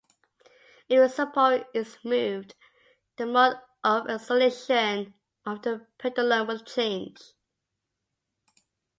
If the support is moved, the mode of oscillation of the pendulum will change.